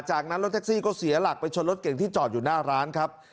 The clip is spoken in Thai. จากนั้นรถแท็กซี่ก็เสียหลักไปชนรถเก่งที่จอดอยู่หน้าร้านครับ